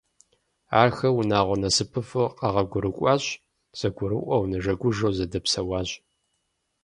Ахэр унагъуэ насыпыфӏэу къэгъуэгурыкӏуащ, зэгурыӏуэу, нэжэгужэу зэдэпсэуащ.